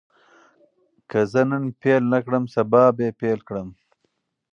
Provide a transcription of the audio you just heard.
که زه نن پیل نه کړم، سبا به پیل کړم.